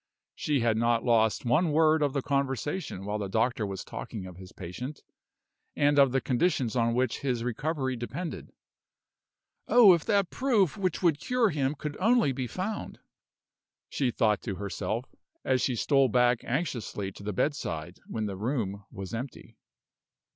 She had not lost one word of the conversation while the doctor was talking of his patient, and of the conditions on which his recovery depended. "Oh, if that proof which would cure him could only be found!" she thought to herself, as she stole back anxiously to the bedside when the room was empty.